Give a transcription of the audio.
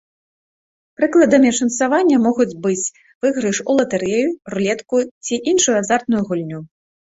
Прыкладамі шанцавання могуць быць выйгрыш у латарэю, рулетку ці іншую азартную гульню.